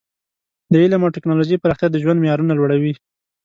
د علم او ټکنالوژۍ پراختیا د ژوند معیارونه لوړوي.